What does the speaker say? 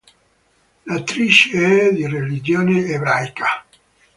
L'attrice è di religione ebraica.